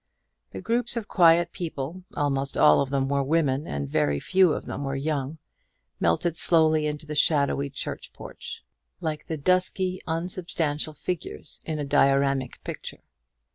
The groups of quiet people almost all of them were women, and very few of them were young melted slowly into the shadowy church porch, like the dusky unsubstantial figures in a dioramic picture.